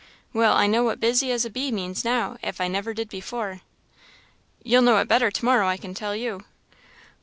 Well, I know what 'busy as a bee' means now, if I never did before." "You'll know it better to morrow, I can tell you."